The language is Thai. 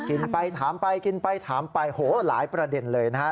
กินไปถามไปกินไปถามไปโหหลายประเด็นเลยนะฮะ